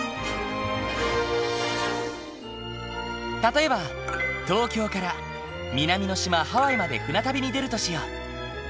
例えば東京から南の島ハワイまで船旅に出るとしよう。